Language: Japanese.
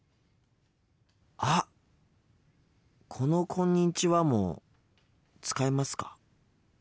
あっこの「こんにちは」も使いますか？